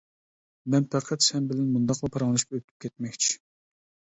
مەن پەقەت سەن بىلەن مۇنداقلا پاراڭلىشىپ ئۆتۈپ كەتمەكچى.